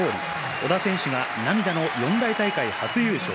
小田選手が涙の四大大会、初優勝。